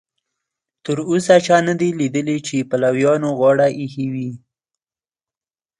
تر اوسه چا نه دي لیدلي چې پلویانو غاړه ایښې وي.